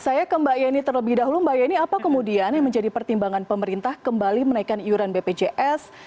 saya ke mbak yeni terlebih dahulu mbak yeni apa kemudian yang menjadi pertimbangan pemerintah kembali menaikkan iuran bpjs